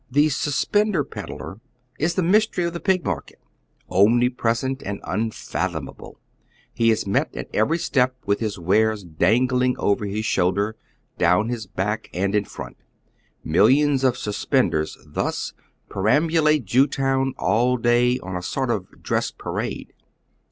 The suspender pedlar is tlie mystery of the Pig market, omnipresent and unfathomable. He is met at every step with his wares dangling over his shoulder, down his back, oy Google =,Google 118 HOW THE OTHER HALF LIVES. and in front. Millions of suspenders tlins perambulate Jewtown all day on a sort of dress parade.